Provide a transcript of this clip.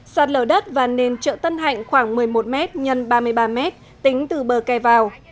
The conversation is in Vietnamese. sạt lở đất và nền chợ tân hạnh khoảng một mươi một m x ba mươi ba m tính từ bờ kè vào